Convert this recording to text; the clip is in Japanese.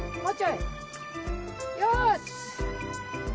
よし。